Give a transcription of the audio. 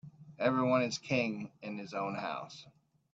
Every one is king in his own house.